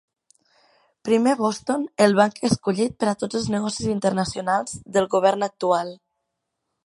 Primer Boston, el banc escollit per a tots els negocis internacionals del govern actual.